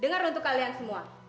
dengar untuk kalian semua